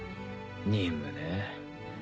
任務ねぇ。